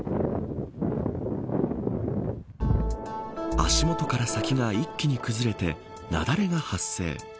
足元から先が、一気に崩れて雪崩が発生。